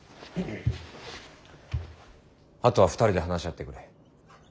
あとは２人で話し合ってくれ。